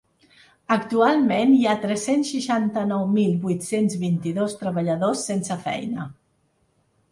Actualment, hi ha tres-cents seixanta-nou mil vuit-cents vint-i-dos treballadors sense feina.